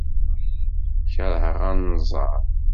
Keṛheɣ anẓar.